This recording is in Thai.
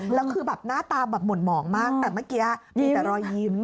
แล้วคือแบบหน้าตาแบบหม่นหมองมากแต่เมื่อกี้มีแต่รอยยิ้ม